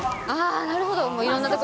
あー、なるほど。